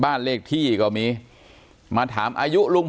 การแก้เคล็ดบางอย่างแค่นั้นเอง